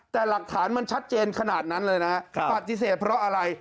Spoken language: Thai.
แต่หลักฐานมันชัดเจนขนาดนั้นเลยนะปฏิเสธเพราะอะไร